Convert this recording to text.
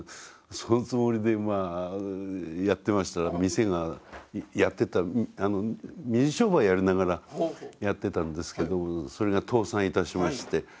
そのつもりでまあやってましたら店がやってた水商売やりながらやってたんですけどそれが倒産いたしまして。